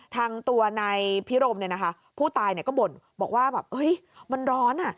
ทางตัวในพิโรมผู้ตายก็บ่นบอกว่ามันร้อน